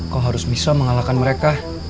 kau harus bisa mengalahkan mereka